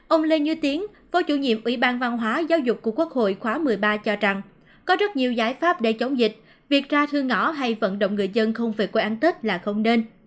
ông lê như tiến phó chủ nhiệm ủy ban văn hóa giáo dục của quốc hội khóa một mươi ba cho rằng có rất nhiều giải pháp để chống dịch việc ra thư ngõ hay vận động người dân không về quê ăn tết là không nên